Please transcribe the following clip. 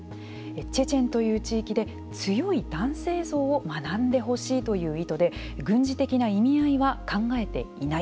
チェチェンという地域で強い男性像を学んでほしいという意図で軍事的な意味合いは考えていない。